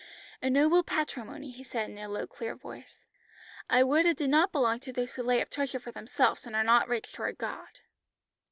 "A noble patrimony," he said in a low clear voice. "I would it did not belong to those who lay up treasure for themselves and are not rich toward God."